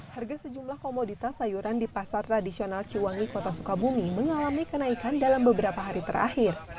harga sejumlah komoditas sayuran di pasar tradisional ciwangi kota sukabumi mengalami kenaikan dalam beberapa hari terakhir